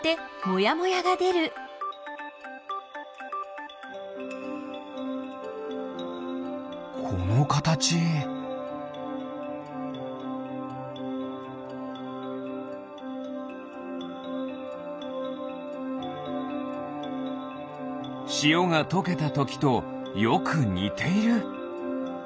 しおがとけたときとよくにている。